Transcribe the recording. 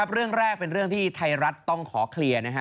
เรื่องแรกเป็นเรื่องที่ไทยรัฐต้องขอเคลียร์